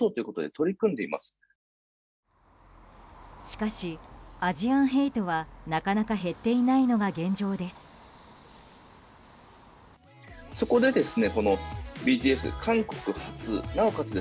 しかしアジアンヘイトはなかなか減っていないのが現状です。